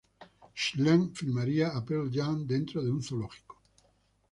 Schenck filmaría a Pearl Jam dentro de un zoológico.